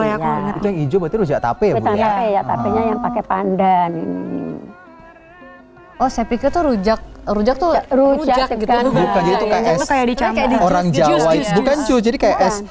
yang pakai pandan oh saya pikir tuh rujak rujak tuh rujak gitu orang jawa bukan cuci kayak es